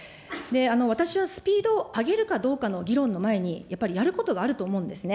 私はスピードを上げるかどうかの議論の前に、やっぱりやることがあると思うんですね。